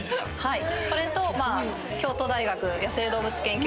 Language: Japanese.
はい。